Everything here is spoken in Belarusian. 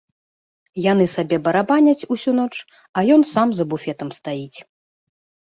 Яны сабе барабаняць усю ноч, а ён сам за буфетам стаіць.